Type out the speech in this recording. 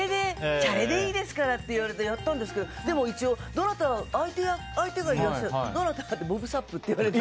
しゃれでいいですからって言われてやったんですけど相手がいらっしゃってどなた？って言ったらボブ・サップって言われて。